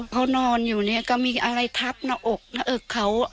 เขานอนอยู่เนี่ยก็มีอะไรทับหน้าอกหน้าอกเขา